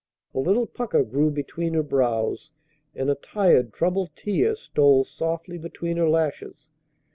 A little pucker grew between her brows, and a tired, troubled tear stole softly between her lashes.